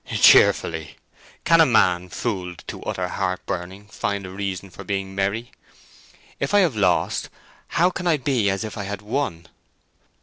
"Cheerfully! Can a man fooled to utter heart burning find a reason for being merry? If I have lost, how can I be as if I had won?